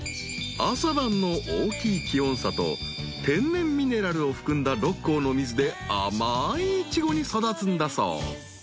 ［朝晩の大きい気温差と天然ミネラルを含んだ六甲の水で甘いイチゴに育つんだそう］